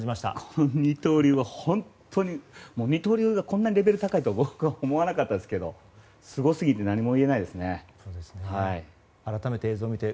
この二刀流は本当に二刀流がこんなにレベルが高いとは僕は思わなかったですけど改めて映像を見て